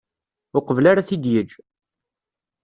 Uqbel ara t-id-yeǧǧ.